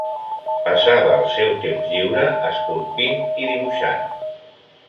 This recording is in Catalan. Passava el seu temps lliure esculpint i dibuixant.